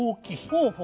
ほうほう。